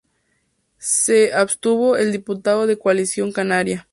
Se abstuvo el diputado de Coalición Canaria.